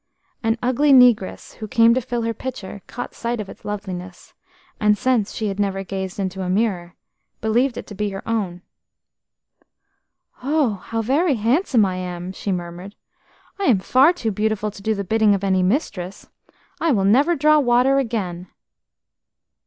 An ugly negress who came to fill her pitcher caught sight of its loveliness, and, since she had never gazed into a mirror, believed it to be her own. "Oh, how very handsome I am!" she murmured. "I am far too beautiful to do the bidding of any mistress. I will never draw water again."